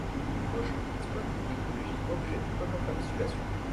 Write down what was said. Cette approche exploite les technologies objet comme l'encapsulation.